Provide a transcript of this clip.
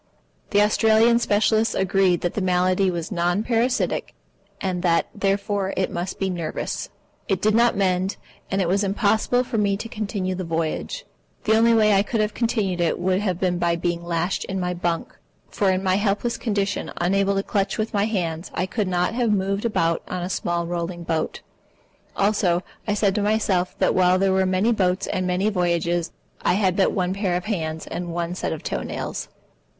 The Australian specialists agreed that the malady was non parasitic, and that, therefore, it must be nervous. It did not mend, and it was impossible for me to continue the voyage. The only way I could have continued it would have been by being lashed in my bunk, for in my helpless condition, unable to clutch with my hands, I could not have moved about on a small rolling boat. Also, I said to myself that while there were many boats and many voyages, I had but one pair of hands and one set of toe nails.